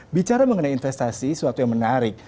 bicara mengenai investasi suatu yang menarik